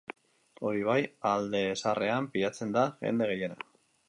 Hori bai, alde zaharrean pilatzen da jende gehiena.